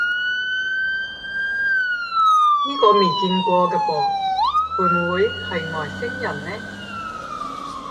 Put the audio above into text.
呢個未見過嘅噃，會唔會係外星人呢？